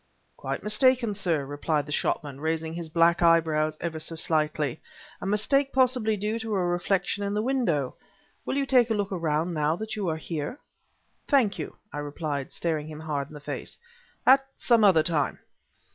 "Quite mistaken, sir," replied the shopman, raising his black eyebrows ever so slightly; "a mistake possibly due to a reflection in the window. Will you take a look around now that you are here?" "Thank you," I replied, staring him hard in the face; "at some other time."